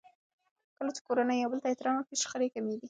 کله چې کورنۍ يو بل ته احترام وکړي، شخړې کمېږي.